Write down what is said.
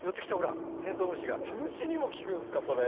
虫にも効くんすかそれ。